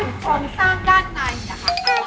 รู้สึกได้จุดกดสร้างด้านในนะคะ